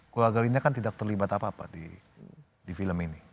keluarga linda kan tidak terlibat apa apa di film ini